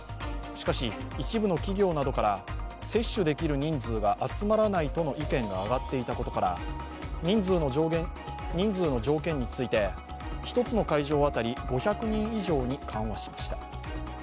しかし、一部の企業などから接種できる人数が集まらないとの意見が上がっていたことから人数の条件について、１つの会場当たり５００人以上に緩和しました。